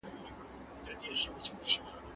ځینو څېړنو ملاتړ ښودلی دی.